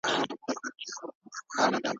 لوستونکی په مسایلو کي خپل نظر لري.